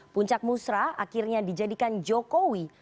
puncak musrah akhirnya dijadikan jokowi